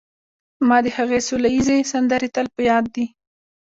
ما د هغې سوله ییزې سندرې تل په یاد دي